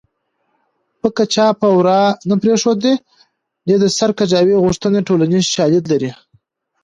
پکه چا په ورا نه پرېښوده دې د سر کجاوې غوښتې ټولنیز شالید لري